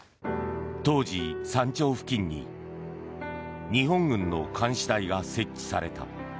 当時、山頂付近に日本軍の監視台が設置された。